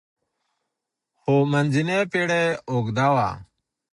خو منځنۍ پېړۍ اوږده وه.